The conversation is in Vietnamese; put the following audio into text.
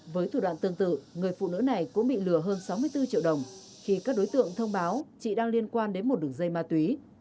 với thủ đoạn tương tự người phụ nữ này cũng bị lừa hơn sáu mươi bốn triệu đồng khi các đối tượng thông báo chị đang liên quan đến một đường dây ma túy